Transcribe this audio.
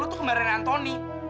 lu tuh kemarin antony